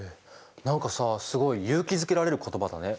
何かさすごい勇気づけられる言葉だね。